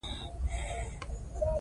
افغانستان په دغو دښتو باندې تکیه لري.